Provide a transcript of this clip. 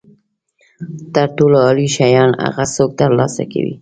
تر ټولو عالي شیان هغه څوک ترلاسه کوي.